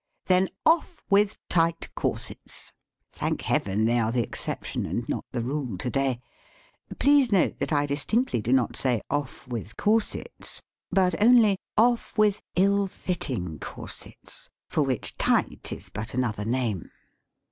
Then, off with tight corsets. Thank Heaven, they are the exception and not the rule to day. Please note that I distinctly do not say, ' 'Off with corsets," but only, "Off with ill fitting corsets," for which "tight" is but another name.